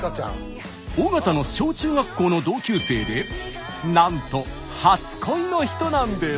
尾形の小中学校の同級生でなんと初恋の人なんです。